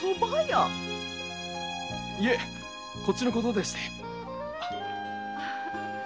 いえこっちのことで。